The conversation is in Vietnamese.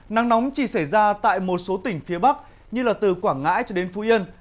nắng nóng chỉ xảy ra tại một số tỉnh phía bắc như từ quảng ngãi cho đến phú yên